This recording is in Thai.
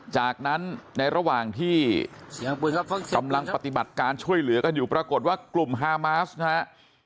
จากนั้นในระหว่างที่กำลังปฏิบัติการช่วยเหลือกันอยู่ปรากฏว่ากลุ่มฮามาสนะครับ